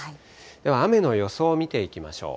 では雨の予想を見ていきましょう。